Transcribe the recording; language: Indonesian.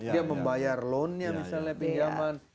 dia membayar loannya misalnya pinjaman